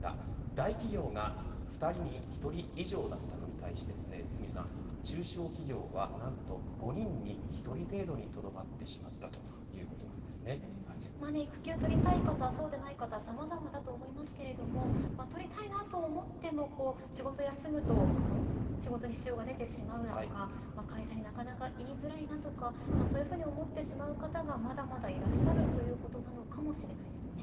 大企業は２人に１人以上だったのに対して中小企業は何と５人に１人程度にとどまってしまった育休取りたい方、そうでない方さまざまだと思いますけれど取りたいなと思っても仕事、休むと仕事に支障が出てしまうだとか会社になかなか言いづらいなとかそういうふうに思ってしまう方がまだまだいらっしゃるということなのかもしれないですね。